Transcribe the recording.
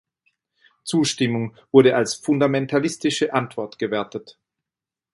Zustimmung wurde als fundamentalistische Antwort gewertet.